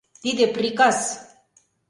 Тиде приказ!